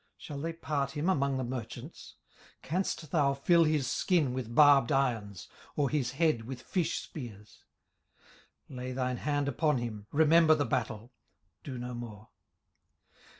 shall they part him among the merchants? 18:041:007 Canst thou fill his skin with barbed irons? or his head with fish spears? 18:041:008 Lay thine hand upon him, remember the battle, do no more.